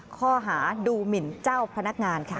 ข้อหาดูหมินเจ้าพนักงานค่ะ